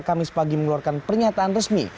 kamis pagi mengeluarkan pernyataan resmi